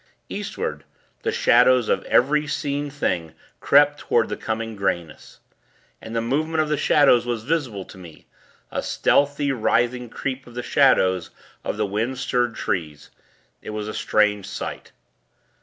Eastward, the shadows of every seen thing crept toward the coming greyness. And the movement of the shadows was visible to me a stealthy, writhing creep of the shadows of the wind stirred trees. It was a strange sight.